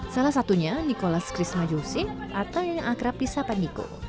salah satunya nikolas krisma jose atau yang akrab di sapa niko